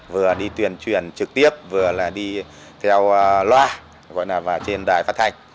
vừa đi tuyên truyền trực tiếp vừa là đi theo loa gọi là vào trên đài phát thanh